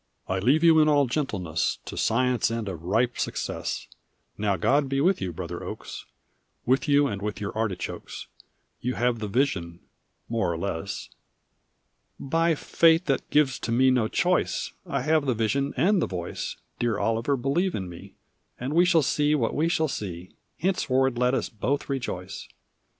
"I leave you in all gentleness To science and a ripe success. Now God be with you, brother Oakes, With you and with your artichokes: You have the vision, more or less." "By fate, that gives to me no choice, I have the vision and the voice: Dear Oliver, believe in me. And we shall see what we shall see; Henceforward let us both rejoice."